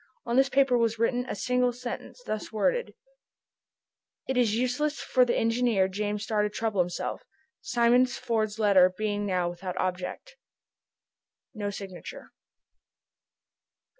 On this paper was written a single sentence, thus worded: "It is useless for the engineer James Starr to trouble himself, Simon Ford's letter being now without object." No signature.